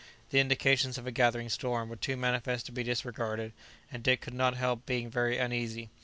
The indications of a gathering storm were too manifest to be disregarded, and Dick could not help being very uneasy.